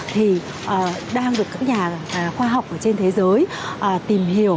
thì đang được các nhà khoa học ở trên thế giới tìm hiểu và nghiên cứu